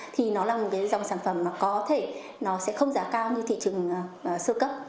thì nó là một dòng sản phẩm có thể nó sẽ không giá cao như thị trường sơ cấp